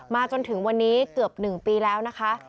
จนถึงวันนี้เกือบ๑ปีแล้วนะคะ